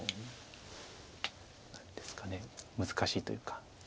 何ですか難しいというか。